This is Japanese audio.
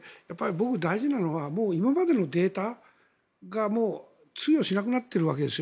僕、大事なのはもう今までのデータが通用しなくなっているわけですよ。